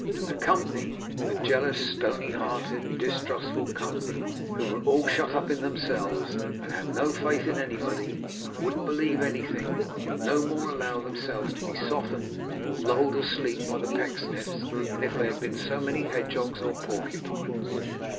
And the company; the jealous stony hearted distrustful company, who were all shut up in themselves, and had no faith in anybody, and wouldn't believe anything, and would no more allow themselves to be softened or lulled asleep by the Pecksniffs than if they had been so many hedgehogs or porcupines!